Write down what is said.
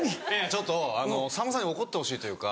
ちょっとさんまさんに怒ってほしいというか。